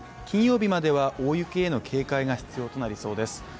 金曜日までは大雪への警戒が必要となりそうです。